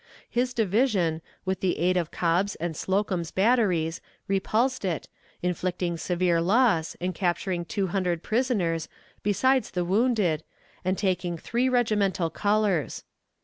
His division, with the aid of Cobb's and Slocum's batteries, repulsed it, inflicting severe loss, and capturing two hundred prisoners, besides the wounded, and taking three regimental colors.